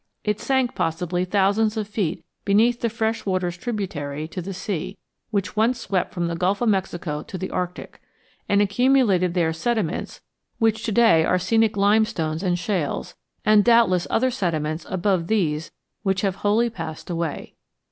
It sank possibly thousands of feet beneath the fresh waters tributary to the sea which once swept from the Gulf of Mexico to the Arctic, and accumulated there sediments which to day are scenic limestones and shales, and doubtless other sediments above these which have wholly passed away.